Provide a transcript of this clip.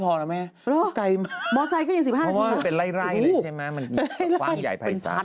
เป็นไฟเลยใช่ไหมมันความใหญ่ภายศาสตร์